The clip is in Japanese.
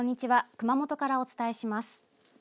熊本からお伝えします。